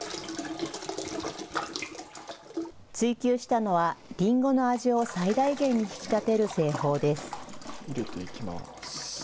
追求したのはりんごの味を最大限に引き立てる製法です。